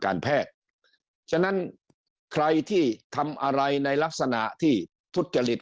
การแพทย์ฉะนั้นใครที่ทำอะไรในลักษณะที่ทุจริต